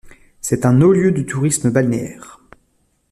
C'est un haut-lieu du tourisme balnéaire.